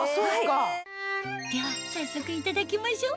では早速いただきましょう！